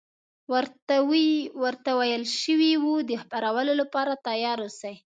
ورته ویل شوي وو د خپرولو لپاره تیار اوسي.